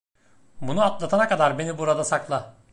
Bunu atlatana kadar beni burada sakla.